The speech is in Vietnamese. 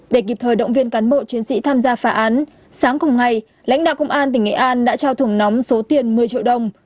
để kịp thời động viên cán bộ chiến sĩ tham gia phá án sáng cùng ngày lãnh đạo công an tỉnh nghệ an đã trao thùng nóng số tiền một mươi triệu đồng